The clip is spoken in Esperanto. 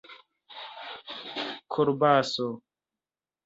kolbaso